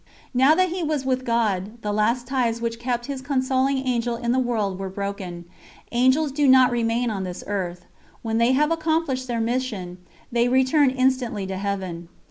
Now that he was with God, the last ties which kept his consoling Angel in the world were broken. Angels do not remain on this earth; when they have accomplished their mission, they return instantly to Heaven.